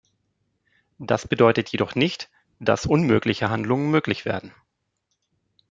Das bedeutet jedoch nicht, dass unmögliche Handlungen möglich werden.